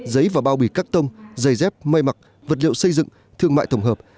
giấy và bao bì cắt tông giày dép may mặc vật liệu xây dựng thương mại tổng hợp